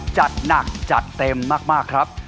จัดหนักจัดเต็มมากครับ